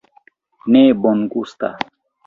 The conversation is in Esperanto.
Ne bongusta...